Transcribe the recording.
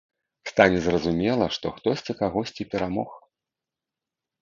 Стане зразумела, што хтосьці кагосьці перамог.